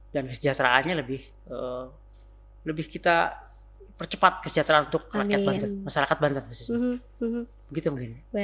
dan kesejahteraannya lebih kita percepat kesejahteraan untuk masyarakat banten